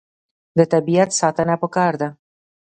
د طبیعت ساتنه پکار ده.